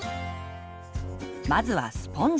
まずはスポンジ。